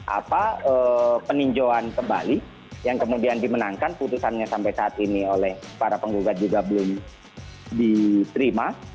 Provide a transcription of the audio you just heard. apa peninjauan kembali yang kemudian dimenangkan putusannya sampai saat ini oleh para penggugat juga belum diterima